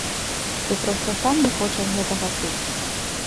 Ты проста сам не хочаш гэтага чуць.